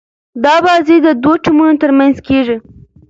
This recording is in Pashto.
دا بازي د دوه ټيمونو تر منځ کیږي.